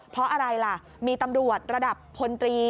เพราะอะไรล่ะมีตำรวจระดับพลตรี